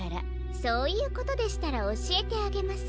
そういうことでしたらおしえてあげます。